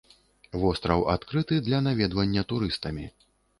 Востраў адкрыты для наведвання турыстамі.